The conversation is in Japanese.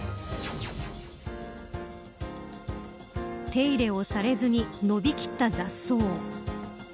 手入れをされずに伸びきった雑草。